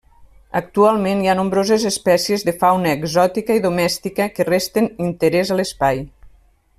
Actualment hi ha nombroses espècies de fauna exòtica i domèstica, que resten interès a l’espai.